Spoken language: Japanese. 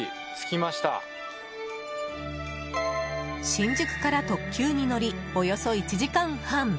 新宿から特急に乗りおよそ１時間半。